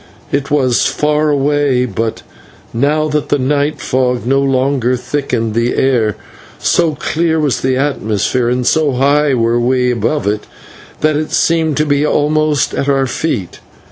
It was far away, but, now that the night fog no longer thickened the air, so clear was the atmosphere and so high were we above it, that it seemed to be almost at our feet.